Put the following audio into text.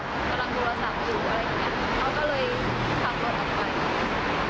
กำลังโทรศัพท์อยู่อะไรอย่างเงี้ยเขาก็เลยขับรถออกไป